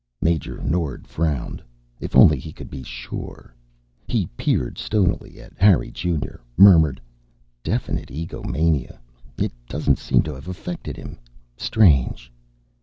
Major Nord frowned. If only he could be sure. He peered stonily at Harry Junior, murmured, "Definite egomania. It doesn't seem to have affected him. Strange."